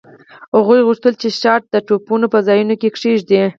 هغوی غوښتل چې شات د ټپونو په ځایونو کیږدي